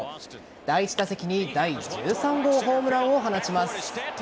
第１打席に第１３号ホームランを放ちます。